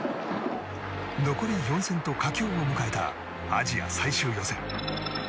残り４戦と佳境を迎えたアジア最終予選。